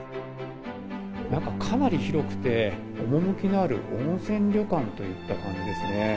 中、かなり広くて、趣のある温泉旅館といった感じですね。